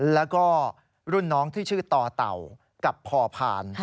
แล้วก็รุ่นน้องที่ชื่อต่อเต่ากับพอพาน